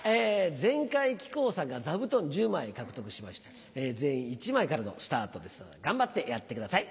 前回木久扇さんが座布団１０枚獲得しましたので全員１枚からのスタートです頑張ってやってください。